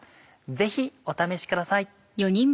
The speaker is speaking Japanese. ぜひお試しください。